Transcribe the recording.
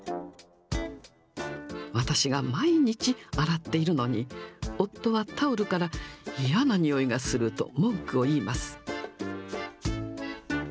私が毎日洗っているのに、夫はタオルから嫌なにおいがすると文句を言います。